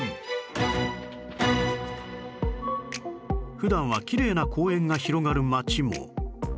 普段はきれいな公園が広がる街も